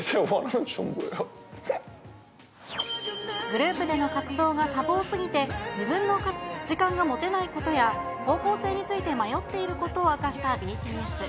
グループでの活動が多忙すぎて、自分の時間が持てないことや、方向性について迷っていることを明かしたＢＴＳ。